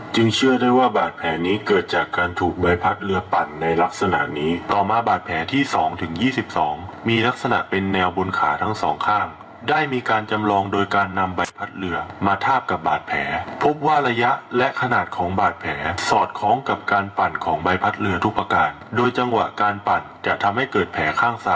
เชื่อได้ว่าบาดแผลนี้เกิดจากการถูกใบพัดเรือปั่นในลักษณะนี้ต่อมาบาดแผลที่๒ถึง๒๒มีลักษณะเป็นแนวบนขาทั้งสองข้างได้มีการจำลองโดยการนำใบพัดเรือมาทาบกับบาดแผลพบว่าระยะและขนาดของบาดแผลสอดคล้องกับการปั่นของใบพัดเรือทุกประการโดยจังหวะการปั่นจะทำให้เกิดแผลข้างส